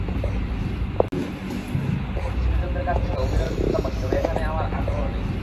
পরিচিতজনদের কাছ থেকে অভিনয়ের প্রস্তাব পাচ্ছি, তবে এখানে আমার আগ্রহ নেই।